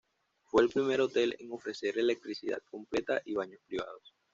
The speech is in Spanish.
Fue el primer hotel en ofrecer electricidad completa y baños privados.